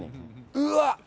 うわっ！